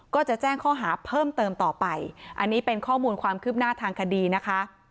ก็จะแจ้งข้อหาเพิ่มเติมต่อไปอันนี้เป็นข้อมูลความคืบหน้าทางคดีนะคะ